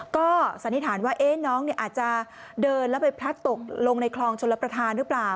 ก็สันนิษฐานว่าน้องอาจจะเดินแล้วไปพลัดตกลงในคลองชลประธานหรือเปล่า